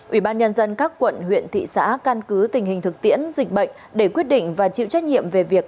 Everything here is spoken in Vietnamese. ubnd các quận huyện thị xã can cứ tình hình thực tiễn dịch bệnh để quyết định và chịu trách nhiệm về việc